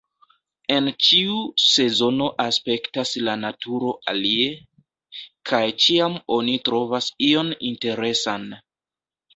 En ĉiu sezono aspektas la naturo alie... kaj ĉiam oni trovas ion interesan.